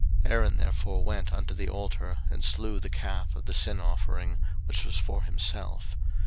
03:009:008 Aaron therefore went unto the altar, and slew the calf of the sin offering, which was for himself.